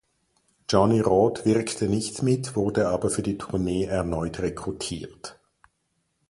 Johnny Rod wirkte nicht mit, wurde aber für die Tournee erneut rekrutiert.